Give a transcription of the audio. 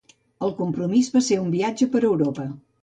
El compromís va ser un viatge per Europa.